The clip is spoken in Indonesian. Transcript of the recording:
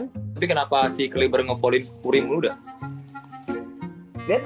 tapi kenapa si kliber nge polyn curry melulu dah